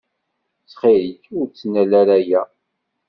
Ttxil-k ur ttnal ara aya.